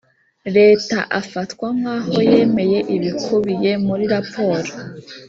Leta afatwa nk aho yemeye ibikubiye muri raporo